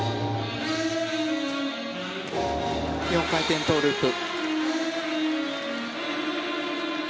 ４回転トウループ。